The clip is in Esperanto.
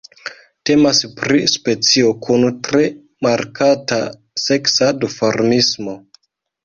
Temas pri specio kun tre markata seksa duformismo.